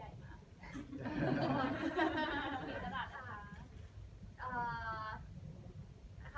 เห็นแหวนดูเป็นใหญ่มาก